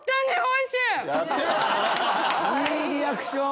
いいリアクション！